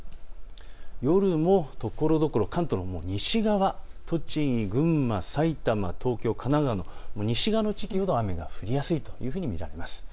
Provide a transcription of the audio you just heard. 夜もところどころ関東の西側、栃木、群馬、埼玉、東京、神奈川の西側の地域ほど雨が降りやすいというふうに見られます。